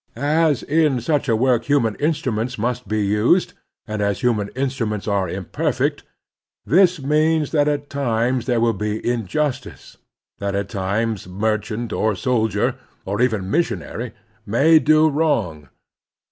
As in such a work human instruments must be used, and as htunan instruments are imperfect, this means that at times there will be injustice ; that at times merchant or soldier, or even missionary, may do wrong.